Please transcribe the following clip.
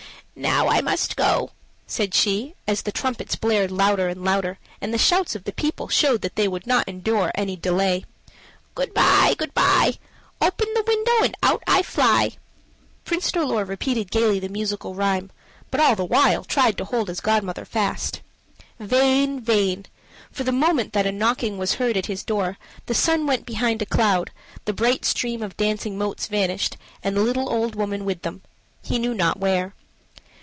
"Now I must go," said she, as the trumpets blared louder and louder, and the shouts of the people showed that they would not endure any delay. "Good by, good by! Open the window and out I fly." Prince Dolor repeated gayly the musical rhyme but all the while tried to hold his godmother fast. Vain, vain! for the moment that a knocking was heard at his door the sun went behind a cloud, the bright stream of dancing motes vanished, and the little old woman with them he knew not where.